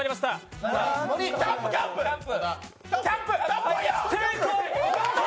キャンプ！